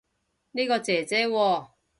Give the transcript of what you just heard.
呢個姐姐喎